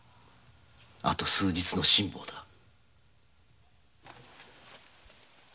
あと数日の辛抱だ。